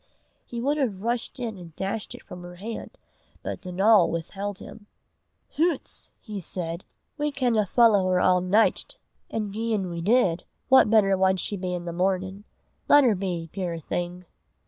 He would have rushed in and dashed it from her hand, but Donal withheld him. "Hoots!" he said, "we canna follow her a' nicht; an' gien we did, what better wad she be i' the mornin'? Lat her be, puir thing!"